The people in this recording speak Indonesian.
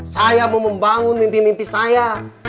saya mau membangun mimpi mimpi saya